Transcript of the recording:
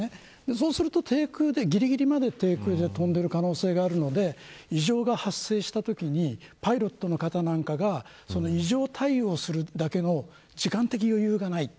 そうすると低空でぎりぎりまで低空で飛んでいる可能性があるので異常が発生したときにパイロットの方が異常対応するだけの時間的余裕はない。